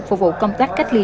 phục vụ công tác cách ly